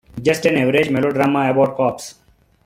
Just an average melodrama about cops.